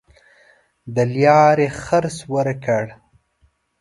د لاري خرڅ ورکړ.